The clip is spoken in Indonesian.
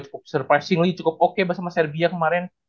cukup surprisingly cukup oke bersama serbia kemarin